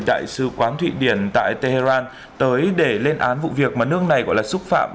đại sứ quán thụy điển tại tehran tới để lên án vụ việc mà nước này gọi là xúc phạm